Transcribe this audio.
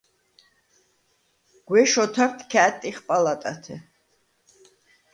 გუ̂ეშ ოთარდ ქა̄̈დტიხ პალატათე.